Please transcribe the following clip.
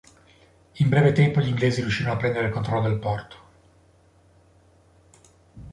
In breve tempo gli inglesi riuscirono a prendere il controllo del porto.